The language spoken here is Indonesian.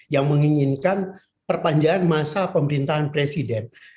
yang menginginkan perpanjangan masa pemerintahan presiden